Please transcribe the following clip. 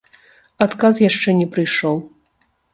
Адказ яшчэ не прыйшоў.